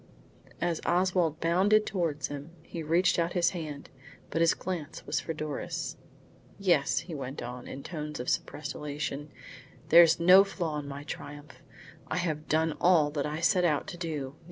As Oswald bounded towards him, he reached out his hand, but his glance was for Doris. "Yes," he went on, in tones of suppressed elation, "there's no flaw in my triumph. I have done all that I set out to do.